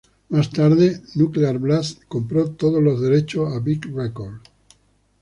Más tarde Nuclear Blast compró todos los derechos a Vic Records.